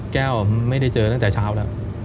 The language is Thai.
แก้วไม่ได้เจอตั้งแต่เช้าแล้ว